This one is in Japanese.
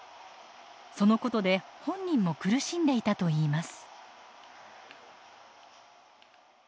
そのことで本人も苦しんでいたといいます。